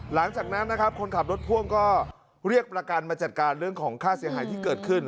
หลังจากนั้นนะครับคนขับรถพ่วงก็เรียกประกันมาจัดการเรื่องของค่าเสียหายที่เกิดขึ้น